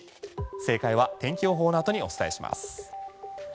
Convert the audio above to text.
正解は天気予報の後にお伝えします。